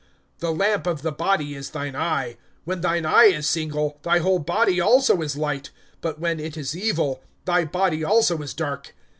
(34)The lamp of the body is thine eye. When thine eye is single, thy whole body also is light; but when it is evil, thy body also is dark.